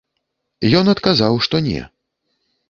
Ён адказаў, што не.